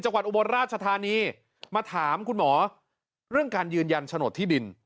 อุบลราชธานีมาถามคุณหมอเรื่องการยืนยันโฉนดที่ดิน